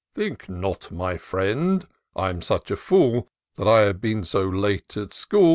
Think not, my friend, I'm such a fool. That I have been so late at school.